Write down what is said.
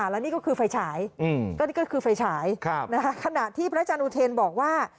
และนี่ก็คือไฟฉายขณะที่พระอาจารย์อูเทนบอกว่า